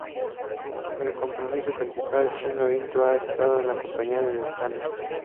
El compositor principal, Shinji Orito, ha estado en la compañía desde "Kanon".